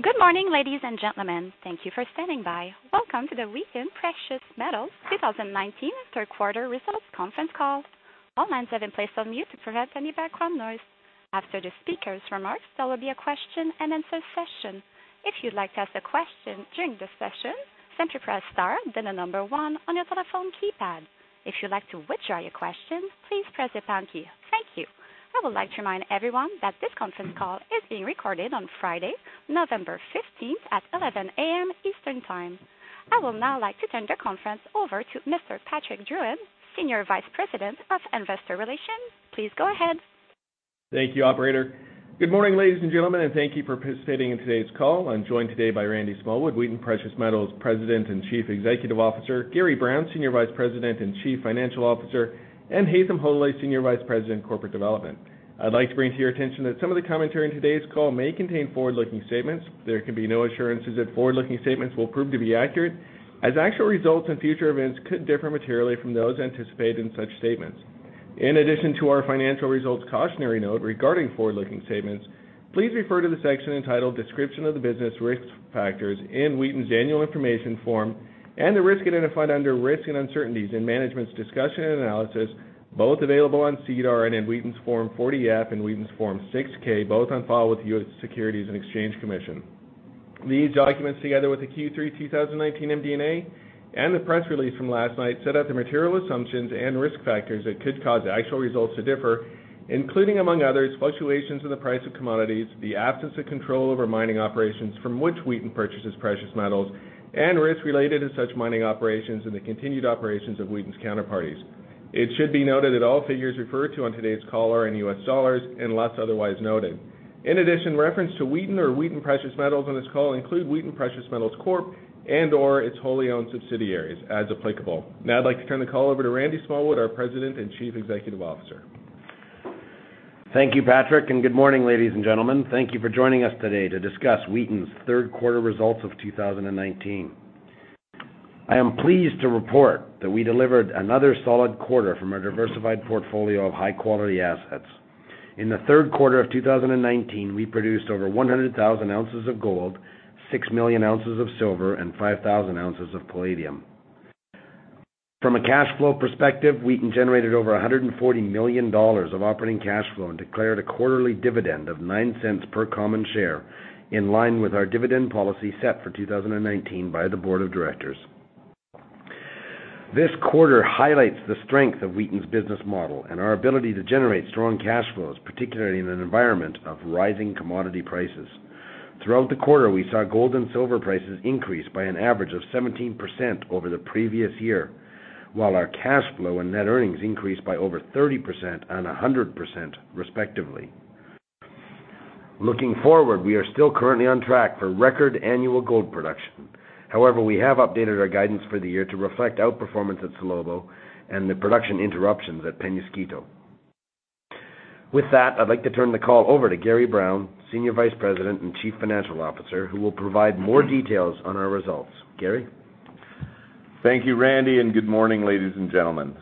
Good morning, ladies and gentlemen. Thank you for standing by. Welcome to the Wheaton Precious Metals 2019 third quarter results conference call. All lines have been placed on mute to prevent any background noise. After the speakers' remarks, there will be a question and answer session. If you'd like to ask a question during the session, simply press star, then the number one on your telephone keypad. If you'd like to withdraw your question, please press the pound key. Thank you. I would like to remind everyone that this conference call is being recorded on Friday, November 15th at 11:00 AM Eastern Time. I will now like to turn the conference over to Mr. Patrick Drouin, Senior Vice President, Investor Relations. Please go ahead. Thank you, operator. Good morning, ladies and gentlemen, Thank you for participating in today's call. I'm joined today by Randy Smallwood, Wheaton Precious Metals President and Chief Executive Officer, Gary Brown, Senior Vice President and Chief Financial Officer, and Haytham Hodaly, Senior Vice President, Corporate Development. I'd like to bring to your attention that some of the commentary in today's call may contain forward-looking statements. There can be no assurances that forward-looking statements will prove to be accurate, as actual results and future events could differ materially from those anticipated in such statements. In addition to our financial results cautionary note regarding forward-looking statements, please refer to the section entitled "Description of the Business Risk Factors" in Wheaton's annual information form and the risk identified under "Risk and Uncertainties in Management's Discussion and Analysis," both available on SEDAR and in Wheaton's Form 40-F and Wheaton's Form 6-K, both on file with the US Securities and Exchange Commission. These documents, together with the Q3 2019 MD&A and the press release from last night, set out the material assumptions and risk factors that could cause actual results to differ, including, among others, fluctuations in the price of commodities, the absence of control over mining operations from which Wheaton purchases precious metals, and risks related to such mining operations and the continued operations of Wheaton's counterparties. It should be noted that all figures referred to on today's call are in US dollars, unless otherwise noted. In addition, reference to Wheaton or Wheaton Precious Metals on this call include Wheaton Precious Metals Corp. and/or its wholly owned subsidiaries, as applicable. I'd like to turn the call over to Randy Smallwood, our President and Chief Executive Officer. Thank you, Patrick, and good morning, ladies and gentlemen. Thank you for joining us today to discuss Wheaton's third quarter results of 2019. I am pleased to report that we delivered another solid quarter from our diversified portfolio of high-quality assets. In the third quarter of 2019, we produced over 100,000 ounces of gold, 6 million ounces of silver, and 5,000 ounces of palladium. From a cash flow perspective, Wheaton generated over $140 million of operating cash flow and declared a quarterly dividend of $0.09 per common share, in line with our dividend policy set for 2019 by the board of directors. This quarter highlights the strength of Wheaton's business model and our ability to generate strong cash flows, particularly in an environment of rising commodity prices. Throughout the quarter, we saw gold and silver prices increase by an average of 17% over the previous year, while our cash flow and net earnings increased by over 30% and 100%, respectively. Looking forward, we are still currently on track for record annual gold production. However, we have updated our guidance for the year to reflect outperformance at Salobo and the production interruptions at Peñasquito. With that, I'd like to turn the call over to Gary Brown, Senior Vice President and Chief Financial Officer, who will provide more details on our results. Gary? Thank you, Randy, and good morning, ladies and gentlemen.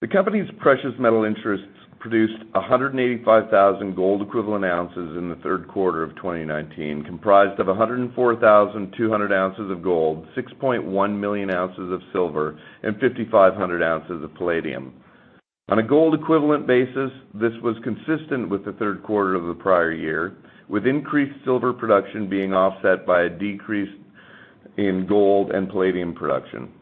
The company's precious metal interests produced 185,000 Gold Equivalent Ounces in the third quarter of 2019, comprised of 104,200 ounces of gold, 6.1 million ounces of silver, and 5,500 ounces of palladium. On a Gold Equivalent basis, this was consistent with the third quarter of the prior year, with increased silver production being offset by a decrease in gold and palladium production.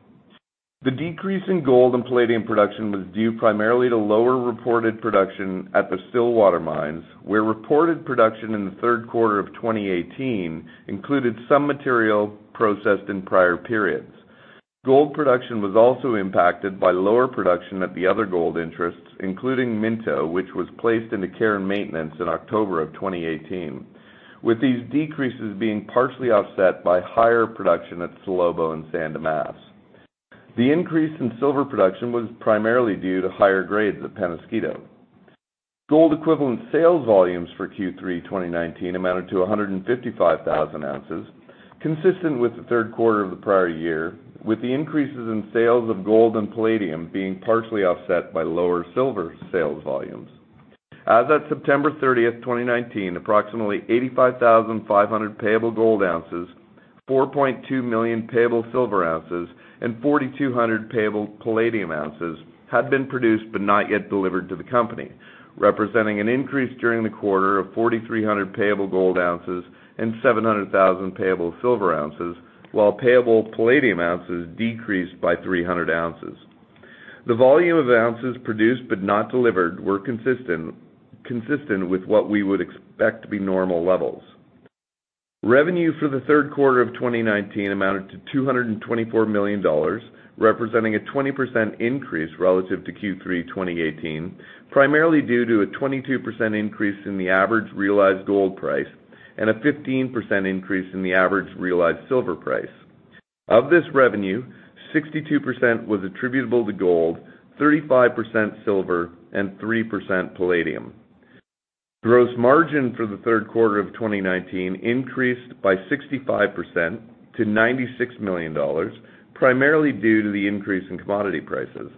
The decrease in gold and palladium production was due primarily to lower reported production at the Stillwater Mines, where reported production in the third quarter of 2018 included some material processed in prior periods. Gold production was also impacted by lower production at the other gold interests, including Minto, which was placed into care and maintenance in October of 2018, with these decreases being partially offset by higher production at Salobo and San Dimas. The increase in silver production was primarily due to higher grades at Peñasquito. Gold equivalent sales volumes for Q3 2019 amounted to 155,000 ounces, consistent with the third quarter of the prior year, with the increases in sales of gold and palladium being partially offset by lower silver sales volumes. As of September 30, 2019, approximately 85,500 payable gold ounces, 4.2 million payable silver ounces, and 4,200 payable palladium ounces had been produced but not yet delivered to the company, representing an increase during the quarter of 4,300 payable gold ounces and 700,000 payable silver ounces, while payable palladium ounces decreased by 300 ounces. The volume of ounces produced but not delivered were consistent with what we would expect to be normal levels. Revenue for the third quarter of 2019 amounted to $224 million, representing a 20% increase relative to Q3 2018, primarily due to a 22% increase in the average realized gold price and a 15% increase in the average realized silver price. Of this revenue, 62% was attributable to gold, 35% silver, and 3% palladium. Gross margin for the third quarter of 2019 increased by 65% to $96 million, primarily due to the increase in commodity prices.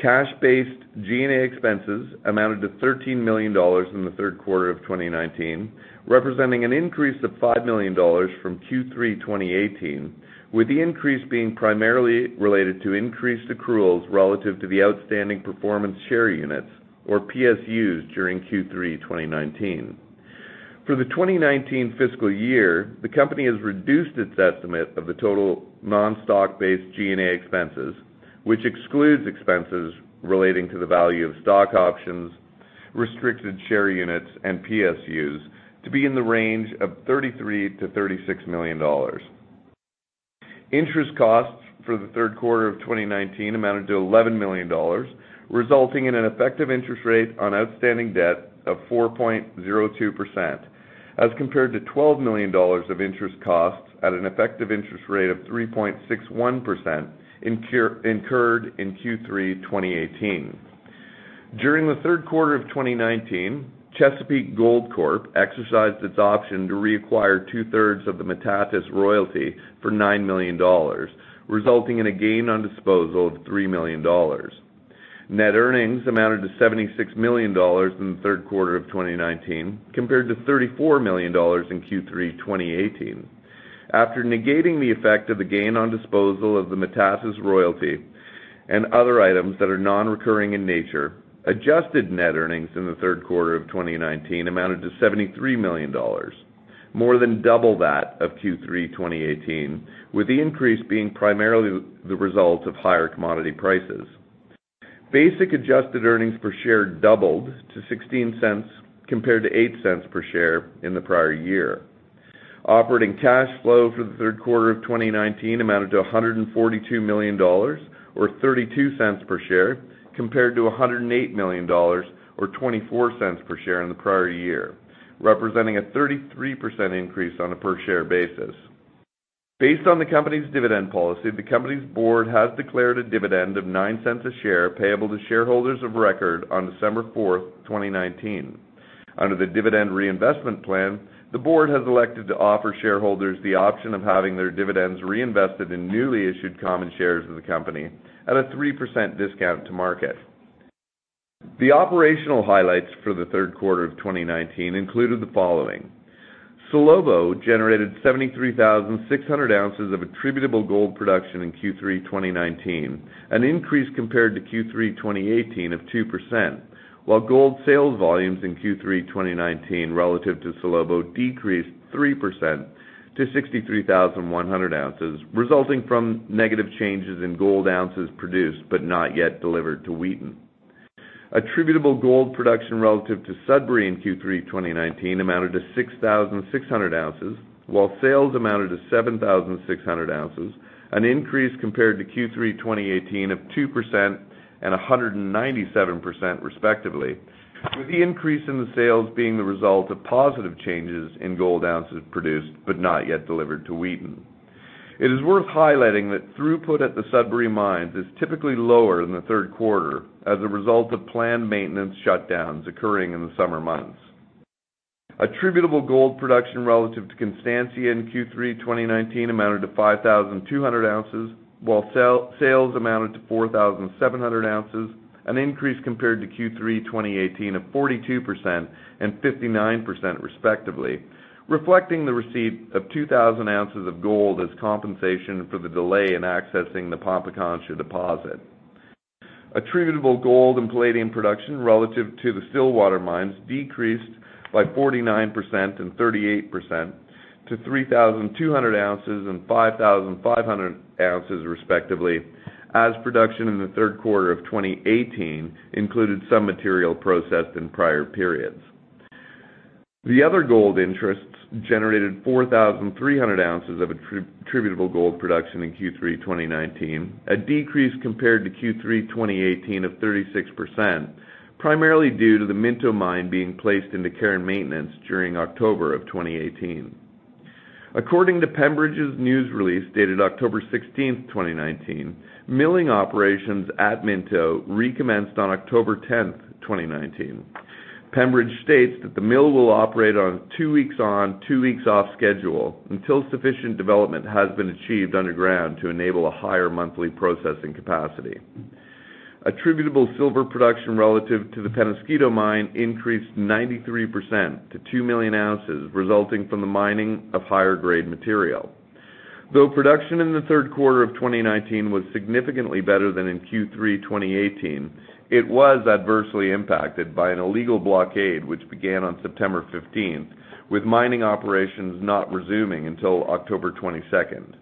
Cash-based G&A expenses amounted to $13 million in the third quarter of 2019, representing an increase of $5 million from Q3 2018, with the increase being primarily related to increased accruals relative to the outstanding performance share units, or PSUs, during Q3 2019. For the 2019 fiscal year, the company has reduced its estimate of the total non-stock-based G&A expenses, which excludes expenses relating to the value of stock options, restricted share units, and PSUs to be in the range of $33 million-$36 million. Interest costs for the third quarter of 2019 amounted to $11 million, resulting in an effective interest rate on outstanding debt of 4.02%, as compared to $12 million of interest costs at an effective interest rate of 3.61% incurred in Q3 2018. During the third quarter of 2019, Chesapeake Gold Corp exercised its option to reacquire two-thirds of the Metates royalty for $9 million, resulting in a gain on disposal of $3 million. Net earnings amounted to $76 million in the third quarter of 2019, compared to $34 million in Q3 2018. After negating the effect of the gain on disposal of the Metates royalty and other items that are non-recurring in nature, adjusted net earnings in the third quarter of 2019 amounted to $73 million, more than double that of Q3 2018, with the increase being primarily the result of higher commodity prices. Basic adjusted earnings per share doubled to $0.16 compared to $0.08 per share in the prior year. Operating cash flow for the third quarter of 2019 amounted to $142 million, or $0.32 per share, compared to $108 million or $0.24 per share in the prior year, representing a 33% increase on a per share basis. Based on the company's dividend policy, the company's board has declared a dividend of $0.09 a share payable to shareholders of record on December 4th, 2019. Under the dividend reinvestment plan, the board has elected to offer shareholders the option of having their dividends reinvested in newly issued common shares of the company at a 3% discount to market. The operational highlights for the third quarter of 2019 included the following. Salobo generated 73,600 ounces of attributable gold production in Q3 2019, an increase compared to Q3 2018 of 2%, while gold sales volumes in Q3 2019 relative to Salobo decreased 3% to 63,100 ounces, resulting from negative changes in gold ounces produced but not yet delivered to Wheaton. Attributable gold production relative to Sudbury in Q3 2019 amounted to 6,600 ounces, while sales amounted to 7,600 ounces, an increase compared to Q3 2018 of 2% and 197% respectively, with the increase in the sales being the result of positive changes in gold ounces produced but not yet delivered to Wheaton. It is worth highlighting that throughput at the Sudbury mines is typically lower in the third quarter as a result of planned maintenance shutdowns occurring in the summer months. Attributable gold production relative to Constancia in Q3 2019 amounted to 5,200 ounces, while sales amounted to 4,700 ounces, an increase compared to Q3 2018 of 42% and 59% respectively, reflecting the receipt of 2,000 ounces of gold as compensation for the delay in accessing the Pampacancha deposit. Attributable gold and palladium production relative to the Stillwater mines decreased by 49% and 38% to 3,200 ounces and 5,500 ounces respectively, as production in the third quarter of 2018 included some material processed in prior periods. The other gold interests generated 4,300 ounces of attributable gold production in Q3 2019, a decrease compared to Q3 2018 of 36%, primarily due to the Minto Mine being placed into care and maintenance during October of 2018. According to Pembridge's news release dated October 16th, 2019, milling operations at Minto recommenced on October 10th, 2019. Pembridge states that the mill will operate on two weeks on, two weeks off schedule until sufficient development has been achieved underground to enable a higher monthly processing capacity. Attributable silver production relative to the Peñasquito Mine increased 93% to two million ounces resulting from the mining of higher grade material. Though production in the third quarter of 2019 was significantly better than in Q3 2018, it was adversely impacted by an illegal blockade, which began on September 15th, with mining operations not resuming until October 22nd.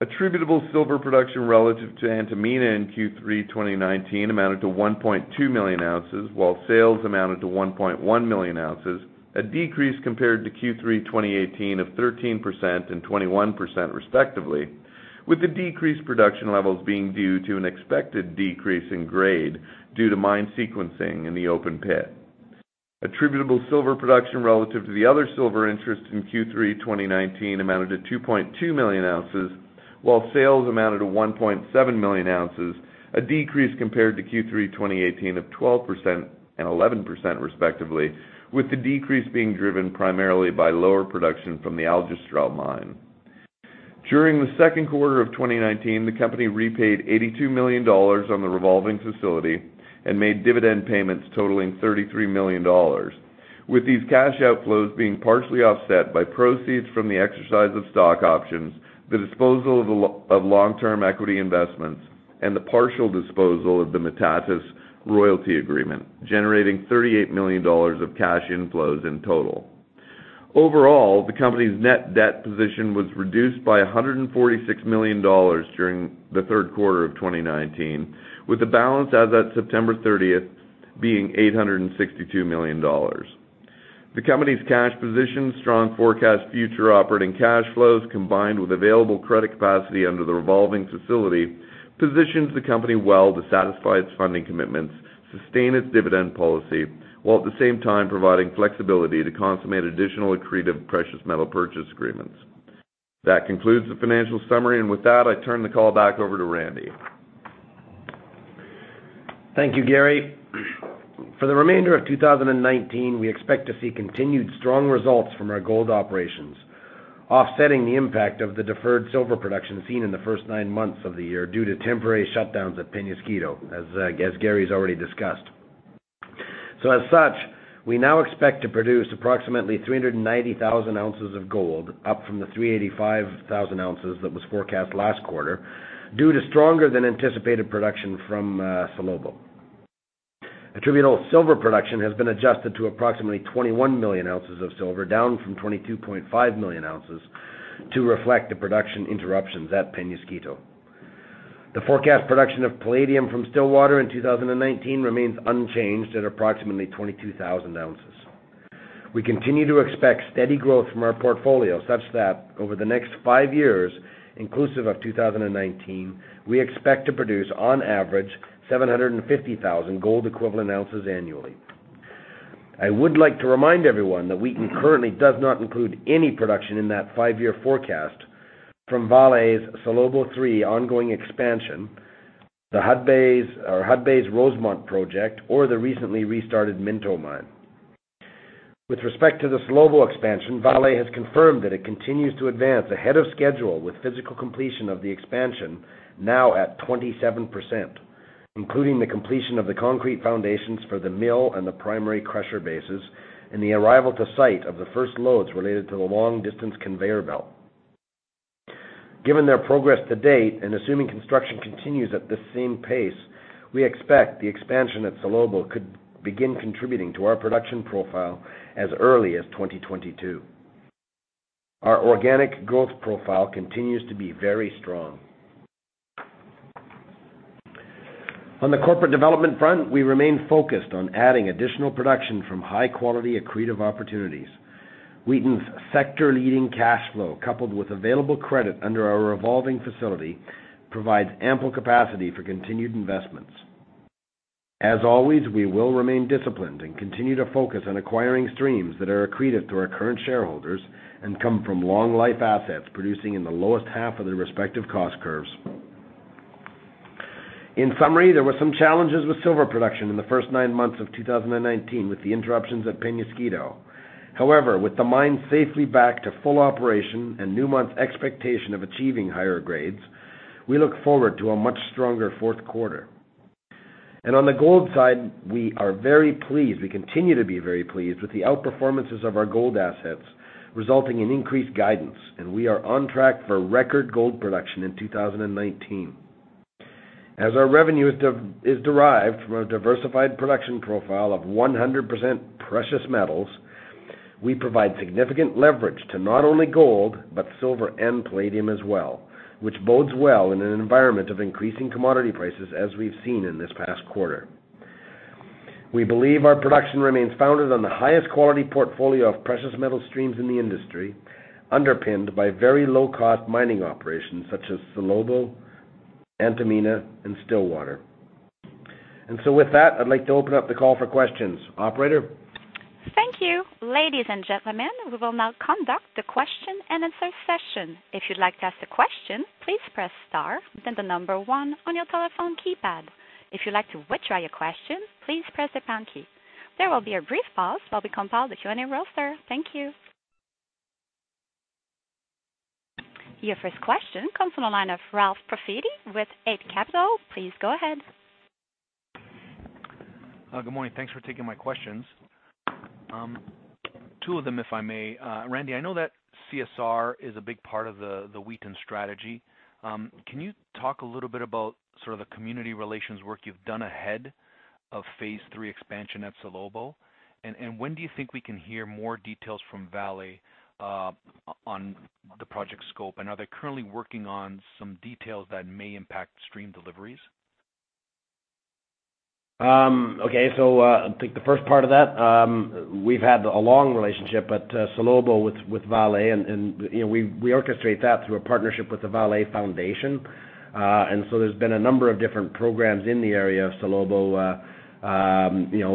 Attributable silver production relative to Antamina in Q3 2019 amounted to 1.2 million ounces, while sales amounted to 1.1 million ounces, a decrease compared to Q3 2018 of 13% and 21% respectively, with the decreased production levels being due to an expected decrease in grade due to mine sequencing in the open pit. Attributable silver production relative to the other silver interests in Q3 2019 amounted to 2.2 million ounces, while sales amounted to 1.7 million ounces, a decrease compared to Q3 2018 of 12% and 11% respectively, with the decrease being driven primarily by lower production from the Aljustrel Mine. During the second quarter of 2019, the company repaid $82 million on the revolving facility and made dividend payments totaling $33 million. With these cash outflows being partially offset by proceeds from the exercise of stock options, the disposal of long-term equity investments, and the partial disposal of the Metates royalty agreement, generating $38 million of cash inflows in total. Overall, the company's net debt position was reduced by $146 million during the third quarter of 2019, with the balance as of September 30th being $862 million. The company's cash position, strong forecast, future operating cash flows, combined with available credit capacity under the revolving facility, positions the company well to satisfy its funding commitments, sustain its dividend policy, while at the same time providing flexibility to consummate additional accretive precious metal purchase agreements. That concludes the financial summary. With that, I turn the call back over to Randy. Thank you, Gary. For the remainder of 2019, we expect to see continued strong results from our gold operations, offsetting the impact of the deferred silver production seen in the first nine months of the year due to temporary shutdowns at Peñasquito, as Gary's already discussed. As such, we now expect to produce approximately 390,000 ounces of gold, up from the 385,000 ounces that was forecast last quarter, due to stronger than anticipated production from Salobo. Attributable silver production has been adjusted to approximately 21 million ounces of silver, down from 22.5 million ounces to reflect the production interruptions at Peñasquito. The forecast production of palladium from Stillwater in 2019 remains unchanged at approximately 22,000 ounces. We continue to expect steady growth from our portfolio such that over the next five years, inclusive of 2019, we expect to produce on average 750,000 gold equivalent ounces annually. I would like to remind everyone that Wheaton currently does not include any production in that five-year forecast from Vale's Salobo 3 ongoing expansion, the Hudbay's Rosemont project, or the recently restarted Minto mine. With respect to the Salobo expansion, Vale has confirmed that it continues to advance ahead of schedule with physical completion of the expansion now at 27%, including the completion of the concrete foundations for the mill and the primary crusher bases, and the arrival to site of the first loads related to the long-distance conveyor belt. Given their progress to date and assuming construction continues at this same pace, we expect the expansion at Salobo could begin contributing to our production profile as early as 2022. Our organic growth profile continues to be very strong. On the corporate development front, we remain focused on adding additional production from high-quality accretive opportunities. Wheaton's sector leading cash flow, coupled with available credit under our revolving facility, provides ample capacity for continued investments. As always, we will remain disciplined and continue to focus on acquiring streams that are accretive to our current shareholders and come from long life assets producing in the lowest half of their respective cost curves. In summary, there were some challenges with silver production in the first nine months of 2019 with the interruptions at Peñasquito. With the mine safely back to full operation and Newmont's expectation of achieving higher grades, we look forward to a much stronger fourth quarter. On the gold side, we are very pleased, we continue to be very pleased with the outperformance of our gold assets, resulting in increased guidance, and we are on track for record gold production in 2019. As our revenue is derived from a diversified production profile of 100% precious metals, we provide significant leverage to not only gold, but silver and palladium as well, which bodes well in an environment of increasing commodity prices as we've seen in this past quarter. We believe our production remains founded on the highest quality portfolio of precious metal streams in the industry, underpinned by very low-cost mining operations such as Salobo, Antamina and Stillwater. With that, I'd like to open up the call for questions. Operator? Thank you. Ladies and gentlemen, we will now conduct the question and answer session. If you'd like to ask a question, please press star, then the number one on your telephone keypad. If you'd like to withdraw your question, please press the pound key. There will be a brief pause while we compile the Q&A roster. Thank you. Your first question comes on the line of Ralph Profiti with Eight Capital. Please go ahead. Good morning. Thanks for taking my questions. Two of them, if I may. Randy, I know that CSR is a big part of the Wheaton strategy. Can you talk a little bit about sort of the community relations work you've done ahead of phase III expansion at Salobo? When do you think we can hear more details from Vale on the project scope, and are they currently working on some details that may impact stream deliveries? Okay. I'll take the first part of that. We've had a long relationship at Salobo with Vale, and we orchestrate that through a partnership with the Vale Foundation. There's been a number of different programs in the area of Salobo.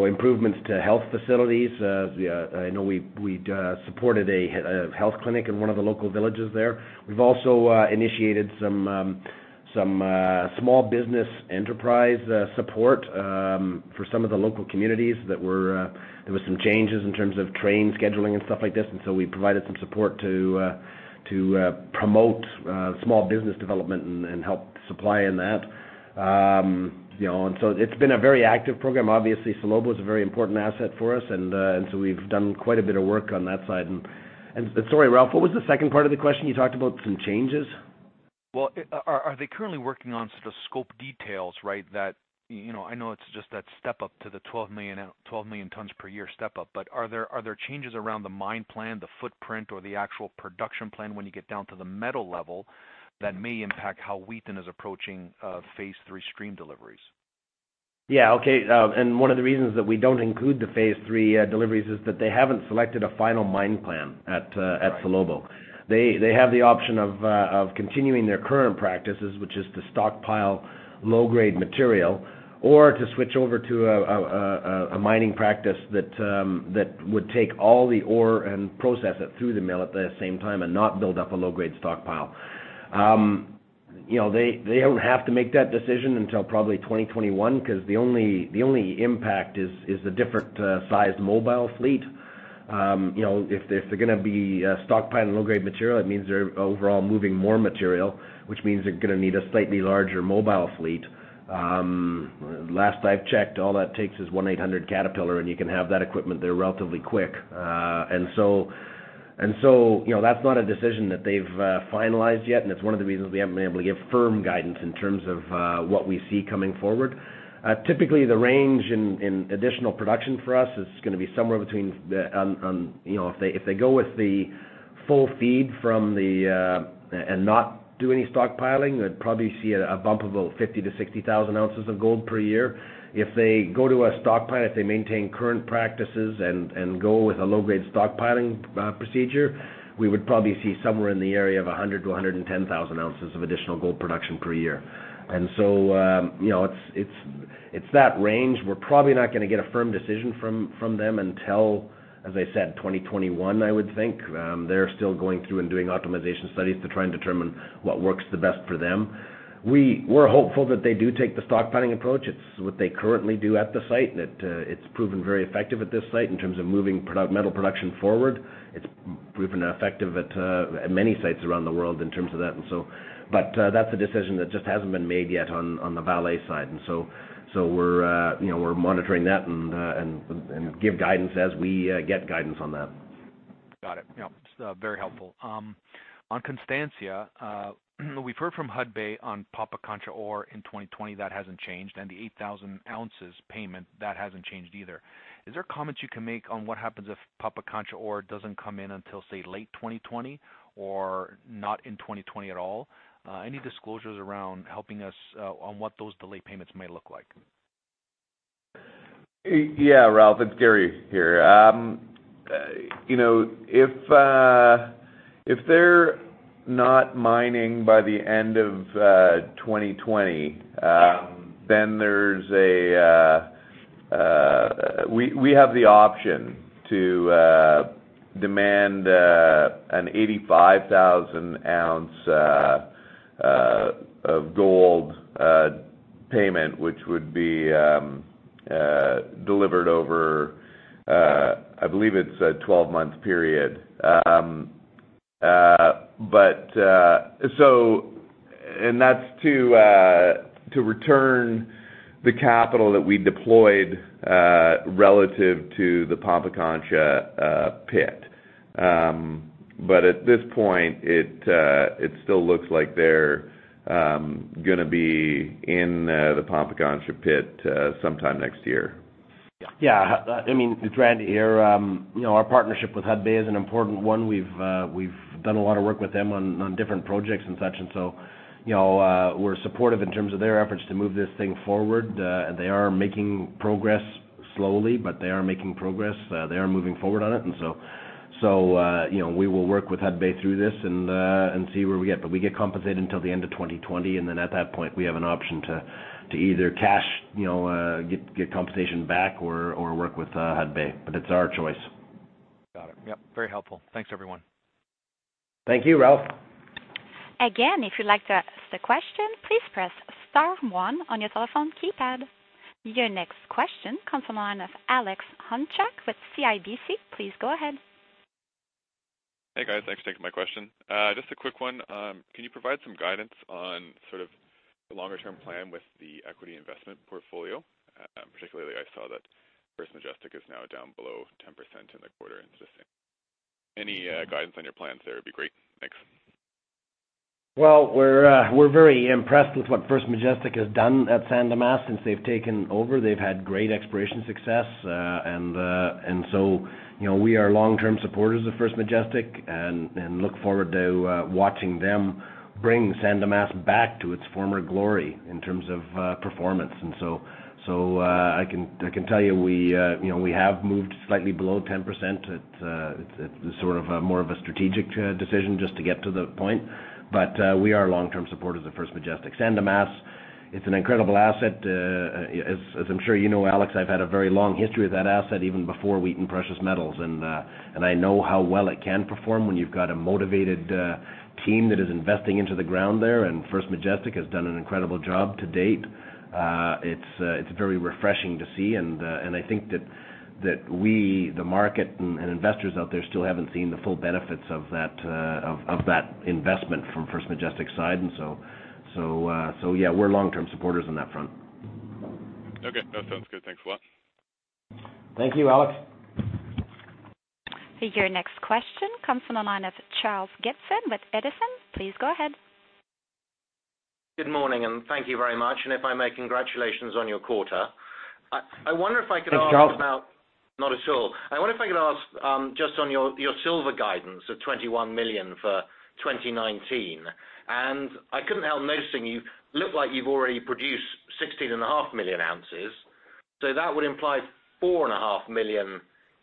Improvements to health facilities. I know we supported a health clinic in one of the local villages there. We've also initiated some small business enterprise support for some of the local communities. There were some changes in terms of train scheduling and stuff like this, and so we provided some support to promote small business development and help supply in that. It's been a very active program. Obviously, Salobo is a very important asset for us, and so we've done quite a bit of work on that side. Sorry, Ralph, what was the second part of the question? You talked about some changes. Well, are they currently working on the scope details, right? I know it's just that step up to the 12 million tons per year step up, but are there changes around the mine plan, the footprint, or the actual production plan when you get down to the metal level that may impact how Wheaton is approaching phase 3 stream deliveries? Yeah. Okay. One of the reasons that we don't include the phase 3 deliveries is that they haven't selected a final mine plan at Salobo. They have the option of continuing their current practices, which is to stockpile low-grade material or to switch over to a mining practice that would take all the ore and process it through the mill at the same time and not build up a low-grade stockpile. They don't have to make that decision until probably 2021 because the only impact is the different size mobile fleet. If they're going to be stockpiling low-grade material, it means they're overall moving more material, which means they're going to need a slightly larger mobile fleet. Last I've checked, all that takes is 1 800 Caterpillar, and you can have that equipment there relatively quick. That's not a decision that they've finalized yet, and it's one of the reasons we haven't been able to give firm guidance in terms of what we see coming forward. Typically, the range in additional production for us is going to be somewhere between, if they go with the full feed and not do any stockpiling, they'd probably see a bump of about 50,000-60,000 ounces of gold per year. If they go to a stockpile, if they maintain current practices and go with a low-grade stockpiling procedure, we would probably see somewhere in the area of 100,000-110,000 ounces of additional gold production per year. It's that range. We're probably not going to get a firm decision from them until, as I said, 2021, I would think. They're still going through and doing optimization studies to try and determine what works the best for them. We're hopeful that they do take the stockpiling approach. It's what they currently do at the site, and it's proven very effective at this site in terms of moving metal production forward. It's proven effective at many sites around the world in terms of that. That's a decision that just hasn't been made yet on the Vale side. We're monitoring that and give guidance as we get guidance on that. Got it. Yep. Very helpful. On Constancia, we've heard from Hudbay on Pampacancha ore in 2020. That hasn't changed. The 8,000 ounces payment, that hasn't changed either. Is there comments you can make on what happens if Pampacancha ore doesn't come in until, say, late 2020 or not in 2020 at all? Any disclosures around helping us on what those delayed payments may look like? Yeah, Ralph, it's Gary here. If they're not mining by the end of 2020, we have the option to demand an 85,000 ounce of gold payment, which would be delivered over, I believe it's a 12-month period. That's to return the capital that we deployed relative to the Pampacancha pit. At this point, it still looks like they're going to be in the Pampacancha pit sometime next year. Yeah. It's Randy here. Our partnership with Hudbay is an important one. We've done a lot of work with them on different projects and such, and so we're supportive in terms of their efforts to move this thing forward. They are making progress slowly, but they are making progress. They are moving forward on it. We will work with Hudbay through this and see where we get, but we get compensated until the end of 2020, and then at that point, we have an option to either cash, get compensation back or work with Hudbay. It's our choice. Got it. Yep. Very helpful. Thanks, everyone. Thank you, Ralph. If you'd like to ask a question, please press star one on your telephone keypad. Your next question comes from the line of Alex Hunchak with CIBC. Please go ahead. Hey, guys. Thanks for taking my question. Just a quick one. Can you provide some guidance on the longer-term plan with the equity investment portfolio? Particularly, I saw that First Majestic is now down below 10% in the quarter. Just any guidance on your plans there would be great. Thanks. We're very impressed with what First Majestic has done at San Dimas since they've taken over. They've had great exploration success, we are long-term supporters of First Majestic and look forward to watching them bring San Dimas back to its former glory in terms of performance. I can tell you, we have moved slightly below 10%. It's more of a strategic decision just to get to the point. We are a long-term supporter of First Majestic. San Dimas. It's an incredible asset. As I'm sure you know, Alex, I've had a very long history with that asset even before Wheaton Precious Metals, and I know how well it can perform when you've got a motivated team that is investing into the ground there, and First Majestic has done an incredible job to date. It's very refreshing to see, and I think that we, the market and investors out there, still haven't seen the full benefits of that investment from First Majestic's side. Yeah, we're long-term supporters on that front. Okay. No, sounds good. Thanks a lot. Thank you, Alex. Your next question comes from the line of Charles Gibson with Edison. Please go ahead. Good morning, and thank you very much. If I may, congratulations on your quarter. Thanks, Charles. Not at all. I wonder if I could ask, just on your silver guidance of 21 million for 2019, and I couldn't help noticing you look like you've already produced 16.5 million ounces. That would imply 4.5 million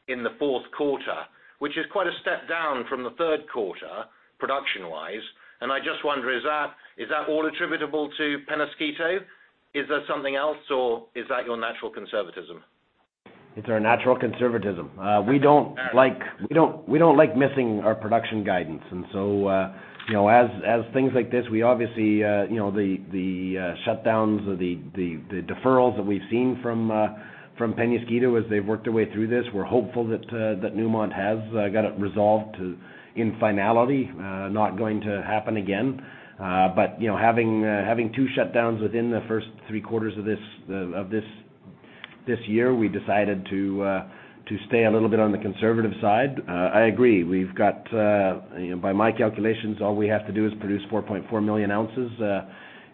in the fourth quarter, which is quite a step down from the third quarter, production-wise. I just wonder, is that all attributable to Peñasquito? Is there something else, or is that your natural conservatism? It's our natural conservatism. We don't like missing our production guidance. As things like this, we obviously, the shutdowns or the deferrals that we've seen from Peñasquito as they've worked their way through this, we're hopeful that Newmont has got it resolved to, in finality, not going to happen again. Having two shutdowns within the first three quarters of this year, we decided to stay a little bit on the conservative side. I agree. We've got, by my calculations, all we have to do is produce 4.4 million ounces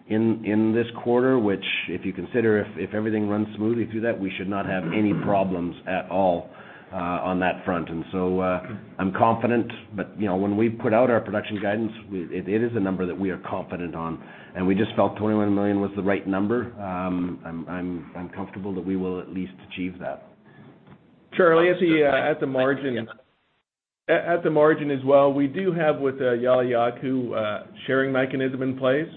in this quarter, which if you consider, if everything runs smoothly through that, we should not have any problems at all on that front. I'm confident. When we put out our production guidance, it is a number that we are confident on, and we just felt 21 million was the right number. I'm comfortable that we will at least achieve that. Charles, at the margin as well, we do have with Yauliyacu, a sharing mechanism in place.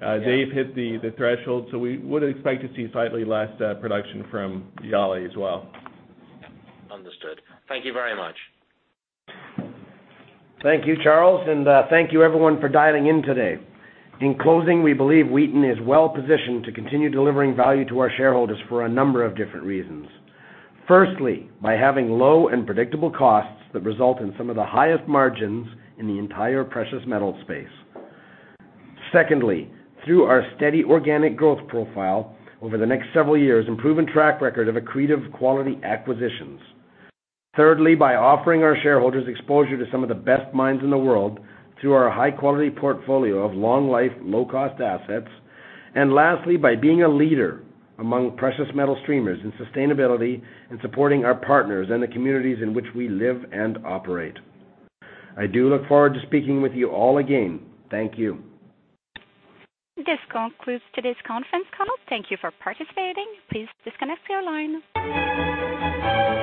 They've hit the threshold, so we would expect to see slightly less production from Yali as well. Understood. Thank you very much. Thank you, Charles. Thank you everyone for dialing in today. In closing, we believe Wheaton is well-positioned to continue delivering value to our shareholders for a number of different reasons. Firstly, by having low and predictable costs that result in some of the highest margins in the entire precious metals space. Secondly, through our steady organic growth profile over the next several years and proven track record of accretive quality acquisitions. Thirdly, by offering our shareholders exposure to some of the best mines in the world through our high-quality portfolio of long-life, low-cost assets. Lastly, by being a leader among precious metals streamers in sustainability and supporting our partners and the communities in which we live and operate. I do look forward to speaking with you all again. Thank you. This concludes today's conference call. Thank you for participating. Please disconnect your line.